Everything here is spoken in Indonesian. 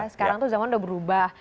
sekarang tuh zaman udah berubah